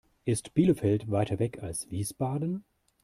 Ist Bielefeld weiter weg als Wiesbaden?